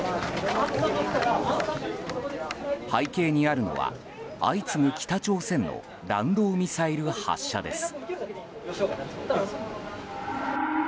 背景にあるのは、相次ぐ北朝鮮の弾道ミサイル発射です。